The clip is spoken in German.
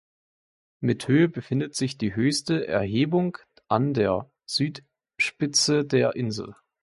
Mit Höhe befindet sich die höchste Erhebung an der Südspitze der Insel.